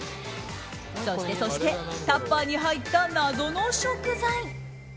そしてそして、タッパーに入った謎の食材。